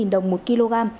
ba mươi đồng một kg